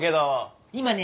今ね